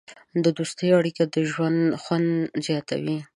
د دوستۍ اړیکې د ژوند خوند زیاتوي.